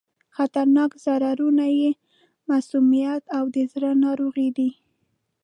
خطرناک ضررونه یې مسمومیت او د زړه ناروغي دي.